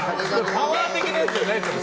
パワー的なやつじゃなくてね。